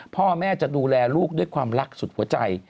พ่อแม่จะดูแลลูกด้วยความรักสุดหัวใจ